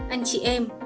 anh chị em